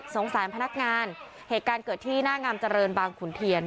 สารพนักงานเหตุการณ์เกิดที่หน้างามเจริญบางขุนเทียน